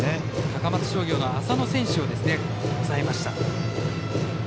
高松商業の浅野選手を抑えました。